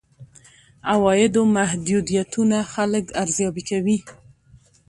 عوایدو محدودیتونه خلک ارزيابي کوي.